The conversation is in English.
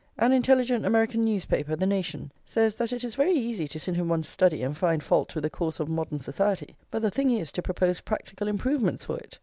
An intelligent American newspaper, the Nation, says that it is very easy to sit in one's study and find fault with the course of modern society, but the thing is to propose practical improvements for it.